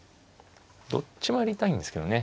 どっちもやりたいんですけどね。